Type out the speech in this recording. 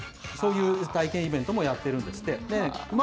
そういう体験イベントもやっているんですって。